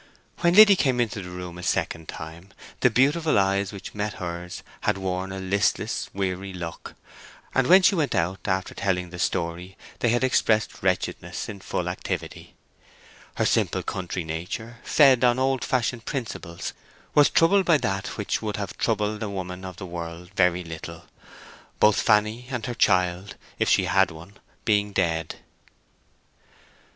When Liddy came into the room a second time the beautiful eyes which met hers had worn a listless, weary look. When she went out after telling the story they had expressed wretchedness in full activity. Her simple country nature, fed on old fashioned principles, was troubled by that which would have troubled a woman of the world very little, both Fanny and her child, if she had one, being dead.